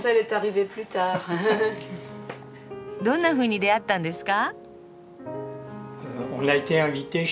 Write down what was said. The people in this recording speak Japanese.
どんなふうに出会ったんですか？